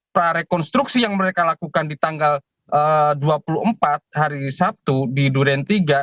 prarekonstruksi yang mereka lakukan di tanggal dua puluh empat hari sabtu di duren tiga